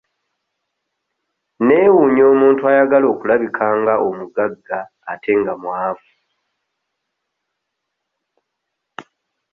Neewuunya omuntu ayagala okulabika nga omugagga ate nga mwavu.